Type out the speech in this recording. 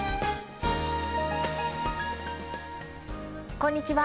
こんにちは。